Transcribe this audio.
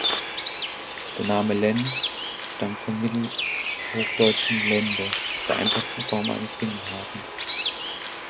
Der Name „Lend“ stammt vom mittelhochdeutschen Lände, der einfachsten Form eines Binnenhafens.